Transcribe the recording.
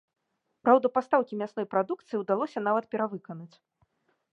Праўда, пастаўкі мясной прадукцыі ўдалося нават перавыканаць.